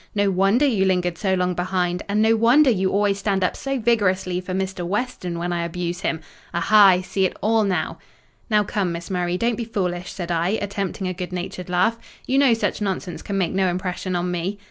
No wonder you lingered so long behind; and no wonder you always stand up so vigorously for Mr. Weston when I abuse him. Ah ha! I see it all now!" "Now, come, Miss Murray, don't be foolish," said I, attempting a good natured laugh; "you know such nonsense can make no impression on me."